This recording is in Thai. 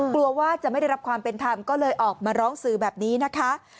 กลัวว่าจะไม่ได้รับความเป็นธรรมก็เลยออกมาร้องสื่อแบบนี้นะคะ